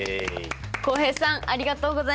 浩平さんありがとうございます。